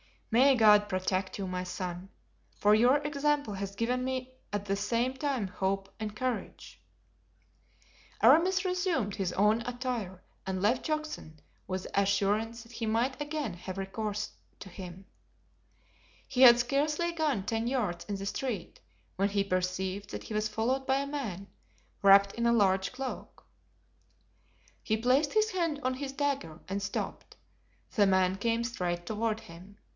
"May God protect you, my son; for your example has given me at the same time hope and courage." Aramis resumed his own attire and left Juxon with the assurance that he might again have recourse to him. He had scarcely gone ten yards in the street when he perceived that he was followed by a man, wrapped in a large cloak. He placed his hand on his dagger and stopped. The man came straight toward him.